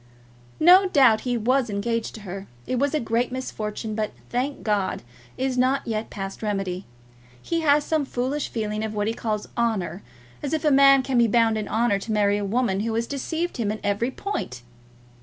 No doubt he was engaged to her. It was a great misfortune, but, thank God, is not yet past remedy. He has some foolish feeling of what he calls honour; as if a man can be bound in honour to marry a woman who has deceived him in every point!